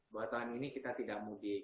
dua tahun ini kita tidak mudik